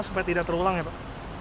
supaya tidak terulang ya pak